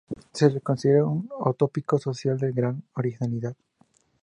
Se le considera un utópico social de gran originalidad.